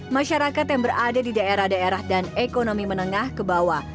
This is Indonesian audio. masyarakat yang berada di daerah daerah dan ekonomi menengah ke bawah